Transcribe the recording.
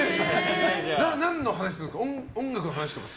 何の話するんですか？